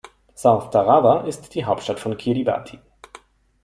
South Tarawa ist die Hauptstadt von Kiribati.